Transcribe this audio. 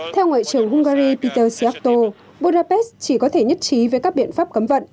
theo ngoại trưởng hungary peter seatto budapest chỉ có thể nhất trí với các biện pháp cấm vận